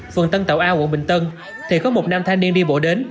phường tân tạo a quận bình tân thì có một nam thanh niên đi bộ đến